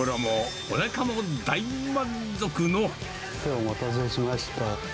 お待たせしました。